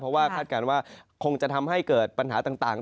เพราะว่าคาดการณ์ว่าคงจะทำให้เกิดปัญหาต่าง